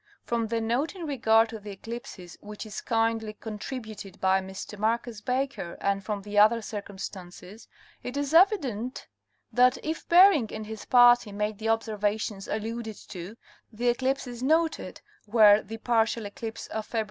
From the note in regard to the eclipses which is kindly contri buted by Mr. Marcus Baker and from the other circumstances, it is evident that if Bering and his party made the observations alluded to, the eclipses noted were the partial eclipse of Feb.